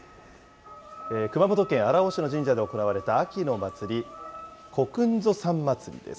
熊本県荒尾市の神社で行われた秋の祭り、こくんぞさん祭りです。